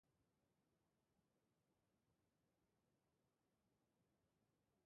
Hoberen sailkatuak elkarrekin iritsi ziren helmugara.